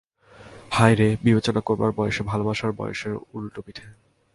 হায় রে, বিবেচনা করবার বয়েস ভালোবাসার বয়েসের উলটোপিঠে।